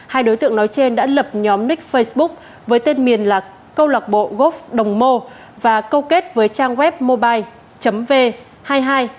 hai đối tượng nói trên đã lập nhóm nick facebook với tên miền là câu lạc bộ gov đồng mô và câu kết với trang web mobile v hai trăm hai mươi ba nghìn ba trăm bốn mươi bốn com để tổ chức cho các đối tượng